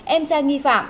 em trai nghi phạm